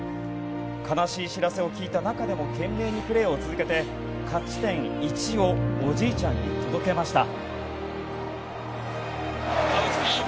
悲しい知らせを聞いた中でも懸命にプレーを続けて勝ち点１をおじいちゃんに届けました。